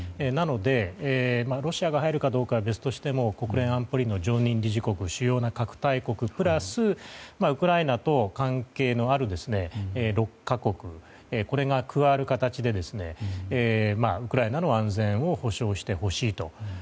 なので、ロシアが入るかどうかは別としても国連安保理の常任理事国主要な核大国プラスウクライナと関係のある６か国これが加わる形でウクライナの安全を保障してほしいと。